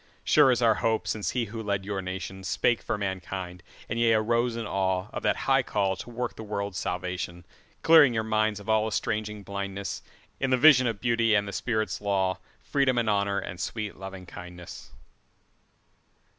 Sure is our hope since he who led your nationSpake for mankind, and ye arose in aweOf that high call to work the world's salvation; Clearing your minds of all estranging blindnessIn the vision of Beauty and the Spirit's law, Freedom and Honour and sweet Lovingkindness.